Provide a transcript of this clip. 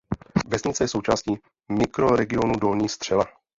Vesnice je součástí Mikroregionu Dolní Střela.